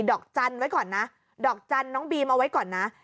ดอกจันทร์ไว้ก่อนนะดอกจันทร์น้องบีมเอาไว้ก่อนนะ